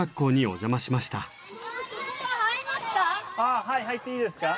ああはい入っていいですか？